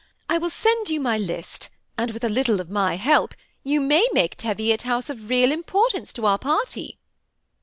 I will send you my list, and with a little of my help you may make Teviot House of real importance to our party."